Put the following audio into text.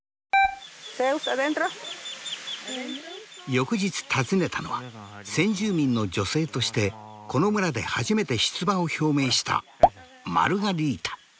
翌日訪ねたのは先住民の女性としてこの村で初めて出馬を表明したマルガリータ。